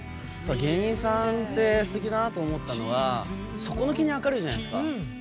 芸人さんってすてきだなって思ったのが底抜けに明るいじゃないですか。